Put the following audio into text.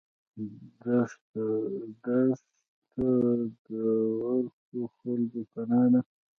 دښته د ورکو خلکو پناه ده.